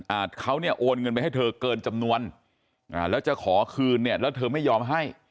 เขาเนี่ยโอนเงินไปให้เธอเกินจำนวนอ่าแล้วจะขอคืนเนี่ยแล้วเธอไม่ยอมให้